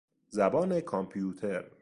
زبان کامپیوتر